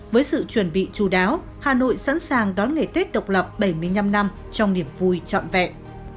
với sự chuẩn bị chú đáo hà nội sẵn sàng đón ngày tết độc lập bảy mươi năm năm trong niềm vui trọn vẹn